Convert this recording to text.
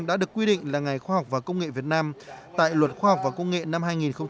đã được quy định là ngày khoa học và công nghệ việt nam tại luật khoa học và công nghệ năm hai nghìn một mươi